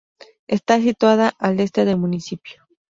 Está situada al este del municipio.